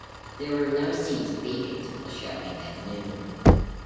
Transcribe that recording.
There were no seats vacant for the showing at noon.